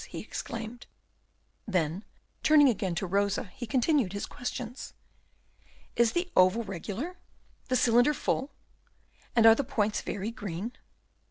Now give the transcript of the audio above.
he exclaimed. Then, turning again to Rosa, he continued his questions. "Is the oval regular? the cylinder full? and are the points very green?"